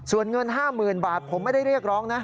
ส่วนเงิน๕๐๐๐บาทผมไม่ได้เรียกร้องนะ